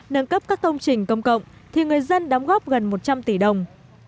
nâng cấp các công trình công cộng thì người dân đóng góp gần một trăm linh tỷ đồng